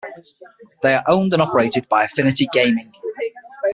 They are owned and operated by Affinity Gaming.